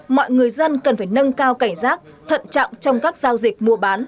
mọi người dân cần phải nâng cao cảnh giác thận trọng trong các giao dịch mua bán